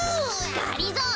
がりぞー